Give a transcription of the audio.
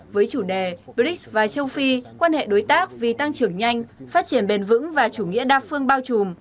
với chủ đề brics và châu phi quan hệ đối tác vì tăng trưởng nhanh phát triển bền vững và chủ nghĩa đa phương bao trùm